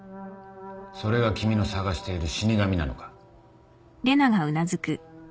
それが君の捜している死神なのか？